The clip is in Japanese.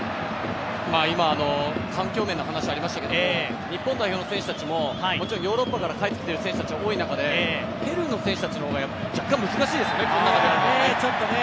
今、環境面の話がありましたけれども、日本代表の選手たちもヨーロッパから帰ってきている選手が多い中でペルーの選手たちの方が難しいですよね、この中で。